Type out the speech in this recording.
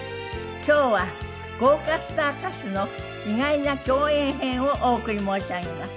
今日は豪華スターたちの意外な競演編をお送り申し上げます。